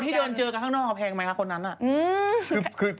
คนที่เดินเจอกันทางนอกแพงไหมค่ะคนนั้น